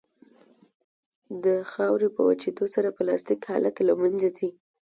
د خاورې په وچېدو سره پلاستیک حالت له منځه ځي